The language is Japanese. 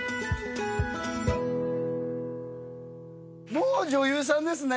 もう女優さんですね